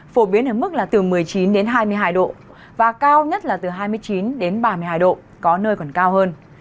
phổ biến ở mức từ một mươi chín hai mươi hai độ và cao nhất là từ hai mươi chín ba mươi hai độ có nơi còn cao hơn